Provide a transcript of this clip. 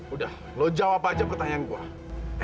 udah lo jawab aja pertanyaan gue